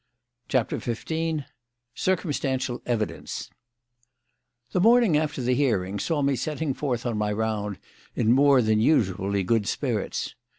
CHAPTER XV CIRCUMSTANTIAL EVIDENCE The morning after the hearing saw me setting forth on my round in more than usually good spirits.